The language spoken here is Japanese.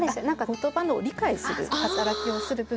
言葉の理解する働きをする部分。